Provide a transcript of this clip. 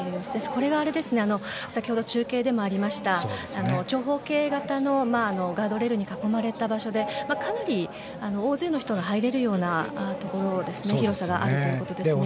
これが先ほど中継でもありました長方形型のガードレールに囲まれた場所でかなり大勢の人が入れるような広さがありますね。